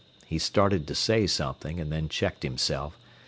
He started to say something, and then checked himself.